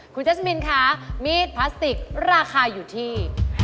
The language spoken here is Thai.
คุณทัศมินค่ะมีดพลาสติกราคาอยู่ที่